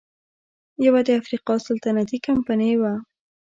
یوه د افریقا سلطنتي کمپنۍ وه.